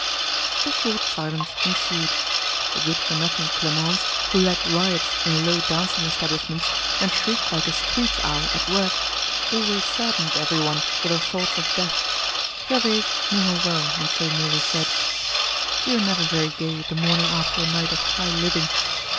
A short silence ensued. The good for nothing Clemence, who led riots in low dancing establishments, and shrieked like a screech owl at work, always saddened everyone with her thoughts of death. Gervaise knew her well, and so merely said: "You're never very gay the morning after a night of high living."